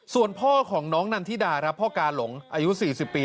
ส่วนพ่อของน้องนันทิดาครับพ่อกาหลงอายุ๔๐ปี